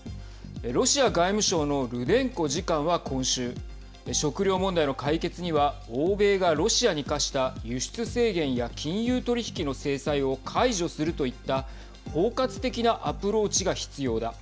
ロシア外務省のルデンコ次官は今週食糧問題の解決には欧米がロシアに科した輸出制限や金融取引の制裁を解除するといった包括的なアプローチが必要だ。